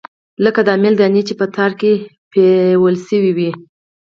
لکه د امېل دانې چې پۀ تار کښې پېرلے شوي وي